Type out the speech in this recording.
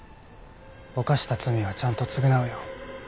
犯した罪はちゃんと償うよ。